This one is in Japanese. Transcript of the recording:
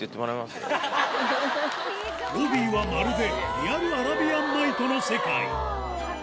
ロビーはまるでリアル『アラビアンナイト』の世界高っ！